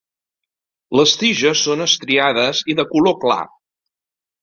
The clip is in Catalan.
Les tiges són estriades i de color clar.